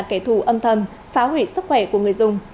đang là kẻ thù âm thầm phá hủy sức khỏe của người dùng